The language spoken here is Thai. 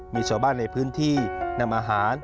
มีชาวบ้านในพื้นที่นำอาหาร